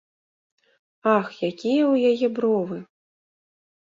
Ах, якія ў яе бровы!